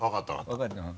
分かったの？